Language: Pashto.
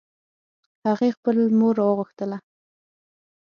هغې خپل مور راوغوښتله